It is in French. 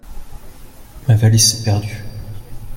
Ma valise s'est perdue.